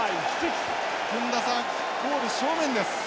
薫田さんゴール正面です。